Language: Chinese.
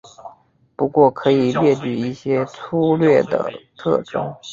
不过可以列举一些粗略的特征。